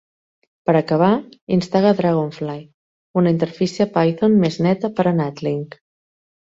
Per acabar, instal·la Dragonfly, una interfície Python més neta per a NatLink.